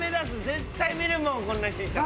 絶対見るもんこんな人いたら。